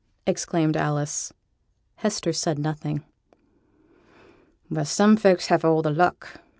exclaimed Alice. Hester said nothing. 'Well! some folks has the luck!'